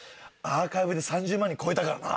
アーカイブで３０万人超えたからな。